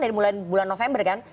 dari mulai bulan november kan